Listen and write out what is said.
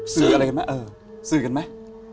สื่ออะไรกันมั้ยสื่อกันมั้ย